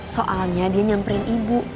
soalnya dia nyamperin ibu